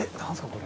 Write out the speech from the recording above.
これ。